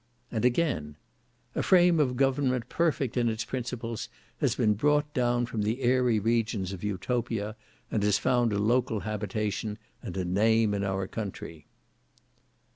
And again, "A frame of government perfect in its principles has been brought down from the airy regions of Utopia, and has found a local habitation and a name in our country."